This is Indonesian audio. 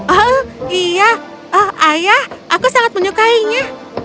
oh iya oh ayah aku sangat menyukainya